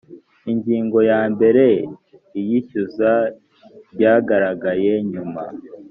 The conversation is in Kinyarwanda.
ingingo yambere iyishyuza ryagaragaye nyuma